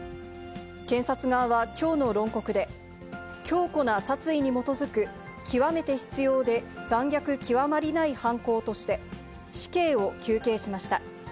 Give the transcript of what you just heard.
検察側はきょうの論告で、強固な殺意に基づく、極めて執ようで残虐極まりない犯行として、死刑を求刑しました。